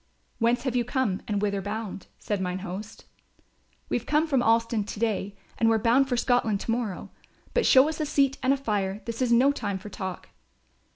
"Whence have you come and whither bound?" said mine host. "We've come from Alston to day and we're bound for Scotland to morrow. But show us a seat and a fire, this is no time for talk."